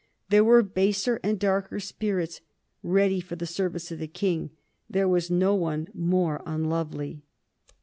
There were baser and darker spirits ready for the service of the King; there was no one more unlovely.